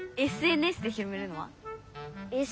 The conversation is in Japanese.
ＳＮＳで広めるのは？